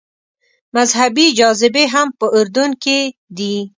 مذهبي جاذبې هم په اردن کې دي.